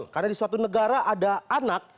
karena di suatu negara ada anak